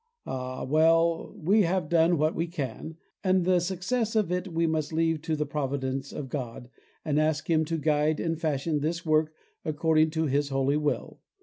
Ah! well, we have done what we can, and the success of it we must leave to the Providence of God and ask Him to guide and fashion this work according to His holy will.